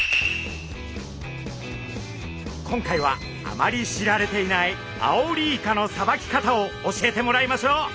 今回はあまり知られていないアオリイカのさばき方を教えてもらいましょう！